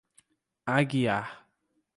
Aguiar